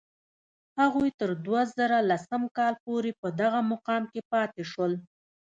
هغوی تر دوه زره لسم کال پورې په دغه مقام کې پاتې شول.